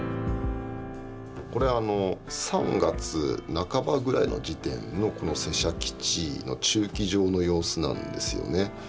これ３月半ばぐらいの時点のこのセシャ基地の駐機場の様子なんですよね。